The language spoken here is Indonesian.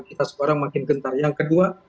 kita sekarang makin gentar yang kedua